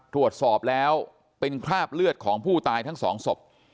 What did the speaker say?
ตรวจสอบแล้วเป็นคราบเลือดของผู้ตายทั้งสองศพ